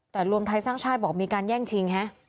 แต่รวมไทยสร้างชาติบอกมีการแย่งชิงฮะ